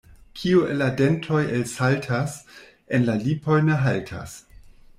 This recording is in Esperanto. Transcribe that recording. Kio el la dentoj elsaltas, en la lipoj ne haltas.